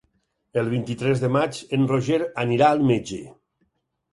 El vint-i-tres de maig en Roger anirà al metge.